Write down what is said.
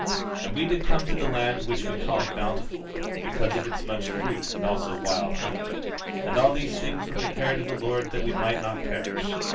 17:5 And we did come to the land which we called Bountiful, because of its much fruit and also wild honey; and all these things were prepared of the Lord that we might not perish.